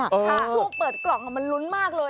ช่วงเปิดกล่องมันลุ้นมากเลย